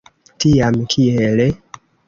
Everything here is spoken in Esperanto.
Tiam kiele?